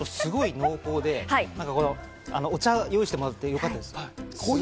濃厚で、お茶を用意してもらってよかったです。